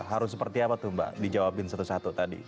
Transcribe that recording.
harus seperti apa tuh mbak dijawabin satu satu tadi